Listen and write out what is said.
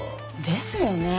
ですよね。